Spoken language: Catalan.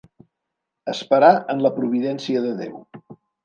Esperar en la providència de Déu.